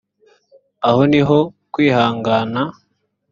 aho ni ho kwihangana